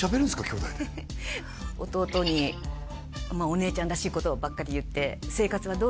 きょうだいで弟にお姉ちゃんらしいことばっかり言ってあ